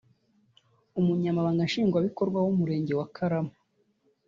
Umunyamabanga nshingwabikorwa w’Umurenge wa Karama